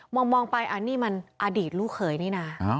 มองไปอันนี้มันอดีตลูกเขยนี่นะ